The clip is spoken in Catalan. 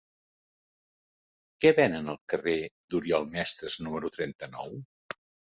Què venen al carrer d'Oriol Mestres número trenta-nou?